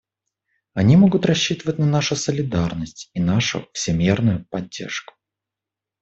Они могут рассчитывать на нашу солидарность и нашу всемерную поддержку.